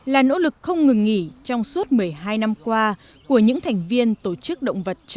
là nỗ lực không ngừng nghỉ trong suốt một mươi hai năm qua của những thành viên tổ chức động vật châu